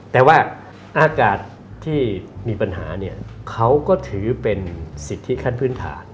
แต่ว่าอากาศที่มีปัญหาเนี่ยเขาก็ถือเป็นสิทธิขั้นพื้นฐาน